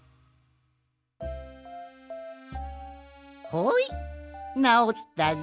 ほいなおったぞい。